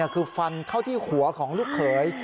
คือฟันเข้าที่หัวของลูกเขย